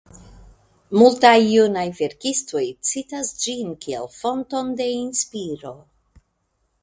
Multaj junaj verkistoj citas ĝin kiel fonton de inspiro.